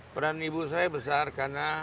peran ibu saya besar karena